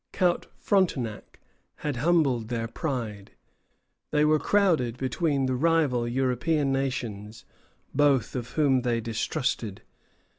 Count Frontenac had humbled their pride. They were crowded between the rival European nations, both of whom they distrusted.